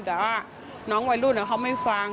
แต่ว่าน้องวัยรุ่นเขาไม่ฟัง